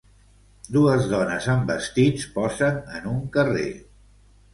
Dues dones amb vestits posen en un carrer.